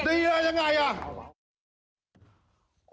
ดีเลยยอด